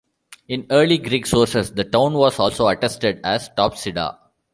In early Greek sources the town was also attested as Topsida.